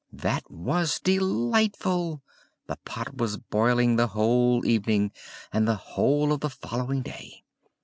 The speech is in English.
That was delightful! The pot was boiling the whole evening, and the whole of the following day.